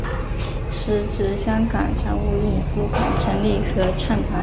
时值香港商务印书馆成立合唱团。